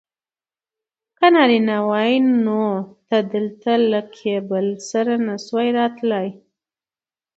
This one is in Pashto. که نارینه وای نو ته دلته له کیبل سره نه شوای راتلای.